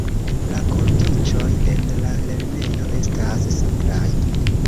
La kondiĉoj en la lernejo estas simplaj.